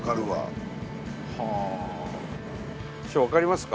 師匠わかりますか？